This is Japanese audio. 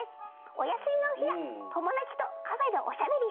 「お休みの日は友達とカフェでおしゃべりしたり」